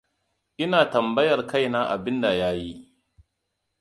Ina tambayar kaina abin da ya yi.